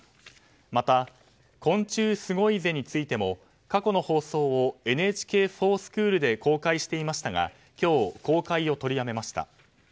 また、「昆虫すごいぜ！」についても過去の放送を公開していましたが今日、公開を取りやめました。